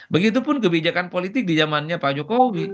begitupun kebijakan politik di zamannya pak jokowi